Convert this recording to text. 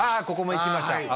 ここも行きました